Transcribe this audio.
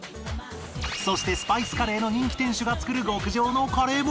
そしてスパイスカレーの人気店主が作る極上のカレーも